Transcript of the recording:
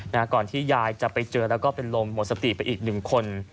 ก่อนที่ยายจะไปเจอแล้วก็เป็นลมหมดสติไปอีกหนึ่งคน